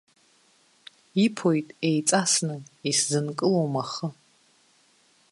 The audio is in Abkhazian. Иԥоит еиҵасны, исзынкылом ахы!